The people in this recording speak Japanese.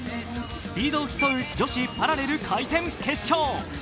スピードを競う女子パラレル回転決勝。